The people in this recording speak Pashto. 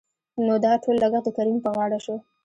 نو دا ټول لګښت دکريم په غاړه شو.